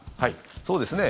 そうですね。